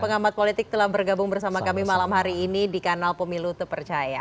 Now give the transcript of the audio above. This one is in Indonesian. pengamat politik telah bergabung bersama kami malam hari ini di kanal pemilu terpercaya